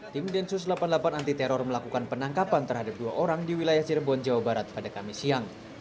tim densus delapan puluh delapan anti teror melakukan penangkapan terhadap dua orang di wilayah cirebon jawa barat pada kamis siang